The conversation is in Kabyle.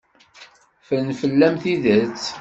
Ffren fell-am tidet.